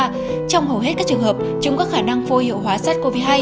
trong hầu hết các trường hợp chúng có khả năng vô hiệu hóa sars cov hai